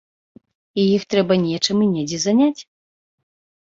І іх трэба нечым і недзе заняць.